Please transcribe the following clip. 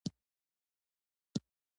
بېنډۍ د غاړې درد ته ښه ده